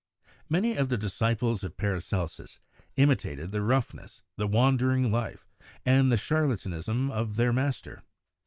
Many of the disciples of Paracelsus imitated the rough ness, the wandering life, and the charlatanism of their master.